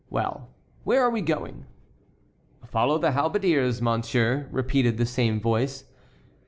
Well, where are we going?" "Follow the halberdiers, monsieur," repeated the same voice.